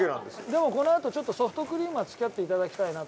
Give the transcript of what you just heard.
でもこのあとソフトクリームは付き合って頂きたいなと。